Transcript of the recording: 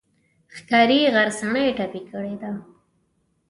ښکاري غرڅنۍ ټپي کړې ده.